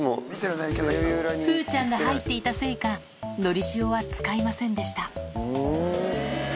風ちゃんが入っていたせいか、のりしおは使いませんでした。